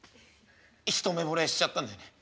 「一目ぼれしちゃったんだよね。